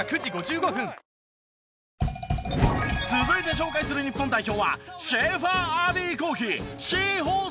続いて紹介する日本代表は。